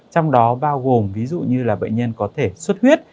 trong đó bao gồm ví dụ như là bệnh nhân có thể xuất huyết